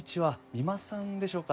三馬さんでしょうか？